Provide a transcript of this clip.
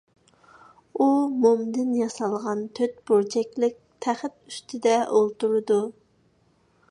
ئۇ مومدىن ياسالغان تۆت بۇرجەكلىك تەخت ئۈستىدە ئولتۇرىدۇ.